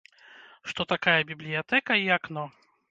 Што такая бібліятэка і акно.